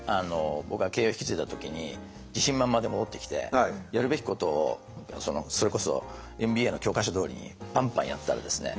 僕は経営を引き継いだ時に自信満々で戻ってきてやるべきことをそれこそＭＢＡの教科書どおりにパンパンやったらですね